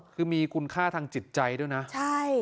คือมีคุณค่าทางจิตใจด้วยนะใช่